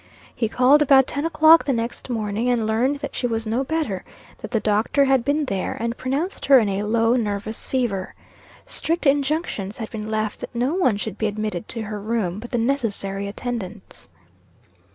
He called about ten o'clock the next morning, and learned that she was no better; that the doctor had been there, and pronounced her in a low nervous fever. Strict injunctions had been left that no one should be admitted to her room but the necessary attendants.